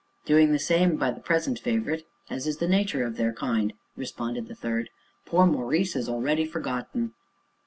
"Doing the same by the present favorite, as is the nature of their kind," responded the third; "poor Maurice is already forgotten."